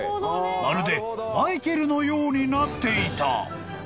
［まるでマイケルのようになっていた］